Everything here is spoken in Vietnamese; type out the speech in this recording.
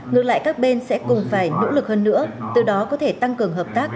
ngược lại các bên sẽ cùng phải nỗ lực hơn nữa từ đó có thể tăng cường hợp tác